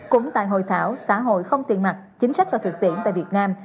cũng tại hội thảo xã hội không tiền mặt chính sách và thực tiễn tại việt nam